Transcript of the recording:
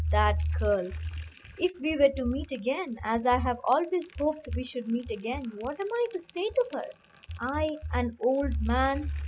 That girl! If we are to meet again, as I have always hoped we should meet again, what am I to say to her, I, an old man?